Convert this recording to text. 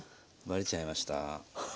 ばれちゃいました？